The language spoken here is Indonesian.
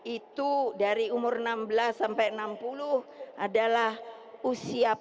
itu dari umur enam belas sampai enam puluh adalah usia